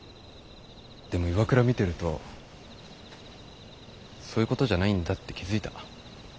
でも岩倉見てるとそういうことじゃないんだって気付いた。